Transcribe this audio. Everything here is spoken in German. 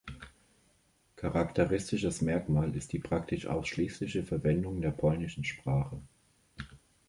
Charakteristisches Merkmal ist die praktisch ausschließliche Verwendung der polnischen Sprache.